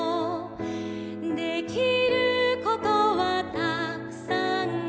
「できることはたくさんあるよ」